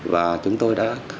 và chúng tôi đã